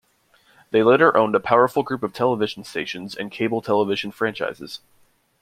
They later owned a powerful group of television stations and cable television franchises.